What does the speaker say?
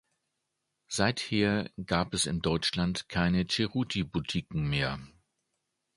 Seither gab es in Deutschland keine Cerruti-Boutiquen mehr.